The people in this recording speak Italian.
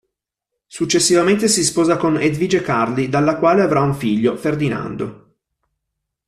Successivamente si sposa con Edvige Carli dalla quale avrà un figlio: Ferdinando.